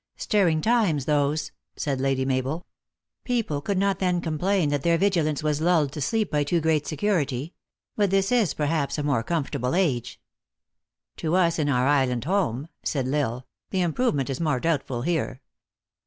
" Stirring times, those," said Lady Mabel. k< People could not then complain that their vigilance was lulled to sleep by too great security ; but this is, per haps, a more comfortable age." u To us in our island home," said L Isle. " The im provement is more doubtful here.